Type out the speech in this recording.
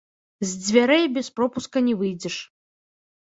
З дзвярэй без пропуска не выйдзеш.